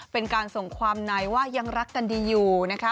เป็นการส่งความในว่ายังรักกันดีอยู่นะคะ